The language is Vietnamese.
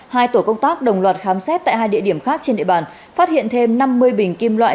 hai tổ công tác đồng loạt khám xét tại hai địa điểm khác trên địa bàn phát hiện thêm năm mươi bình kim loại